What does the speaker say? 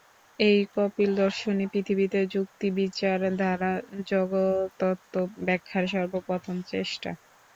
এই কপিল-দর্শনই পৃথিবীতে যুক্তি-বিচার দ্বারা জগত্তত্ত্ব-ব্যাখ্যার সর্বপ্রথম চেষ্টা।